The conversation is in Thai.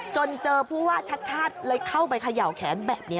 จนเจอผู้ว่าชัดชาติเลยเข้าไปเขย่าแขนแบบนี้